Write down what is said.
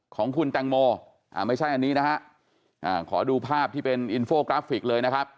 ของคุณแต่งโมอ่าไม่ใช่อันนี้นะฮะอ่าขอดูภาพที่เป็นเลยนะครับ